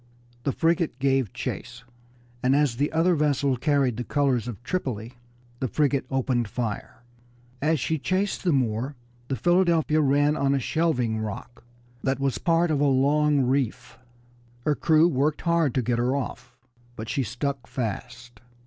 The frigate gave chase, and as the other vessel carried the colors of Tripoli, the frigate opened fire. As she chased the Moor the Philadelphia ran on a shelving rock that was part of a long reef. Her crew worked hard to get her off, but she stuck fast.